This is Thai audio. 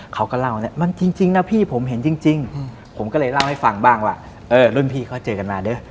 เขาก็เล่าเนี่ยมันจริงนะพี่ผมเห็นจริงผมก็เลยเล่าให้ฟังบ้างว่าเออรุ่นพี่เขาเจอกันมาเด้อ